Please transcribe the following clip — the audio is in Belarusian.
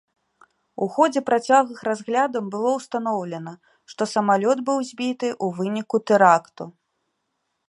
У ходзе працяглых разглядаў было ўстаноўлена, што самалёт быў збіты ў выніку тэракту.